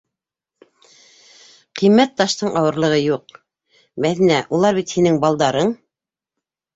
Ҡиммәт таштың ауырлығы юҡ, Мәҙинә: улар бит һинең балдарың!